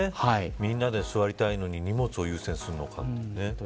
みんな座りたいのに荷物を優先するのかって。